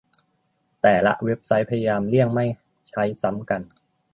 แต่ละเว็บไซต์พยายามเลี่ยงไม่ใช้ซ้ำกัน